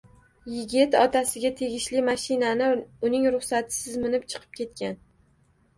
Yigit otasiga tegishli mashinani uning ruxsatisiz minib chiqib ketgan